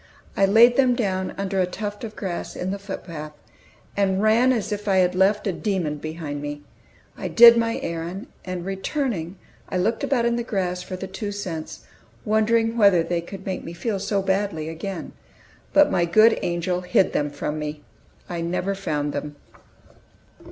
I laid them down under a tuft of grass in the footpath, and ran as if I had left a demon behind me. I did my errand, and returning, I looked about in the grass for the two cents, wondering whether they could make me feel so badly again. But my good angel hid them from me; I never found them.